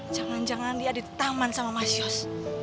jangan jangan dia ada di taman sama mas yos